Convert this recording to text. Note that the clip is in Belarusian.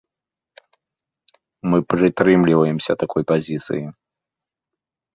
Мы прытрымліваемся такой пазіцыі.